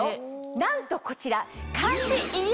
なんとこちら。